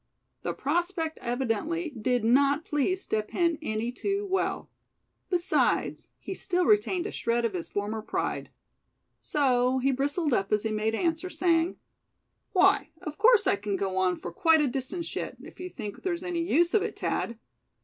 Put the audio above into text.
The prospect evidently did not please Step Hen any too well; besides, he still retained a shred of his former pride. So he bristled up as he made answer, saying: "Why, of course I c'n go on for quite a distance yet, if you think there's any use of it, Thad.